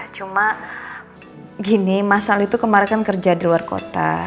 cuma gini mas ali itu kemarin kan kerja di luar kota